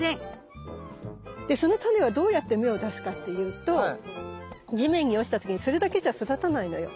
でそのタネはどうやって芽を出すかっていうと地面に落ちた時にそれだけじゃ育たないのよ。